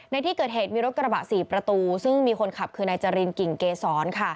ในที่เกิดเหตุมีรถกระบะ๔ประตูซึ่งมีคนขับคือนายจรินกิ่งเกษร